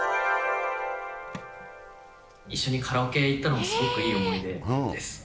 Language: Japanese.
一緒にカラオケ行ったのがすごくいい思い出ですね。